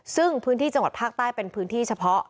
ซึ่งพื้นที่จังหวัดภาคใต้เป็นพื้นที่เฉพาะ